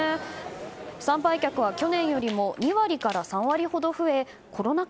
参拝客は去年よりも２割から３割ほど増えコロナ禍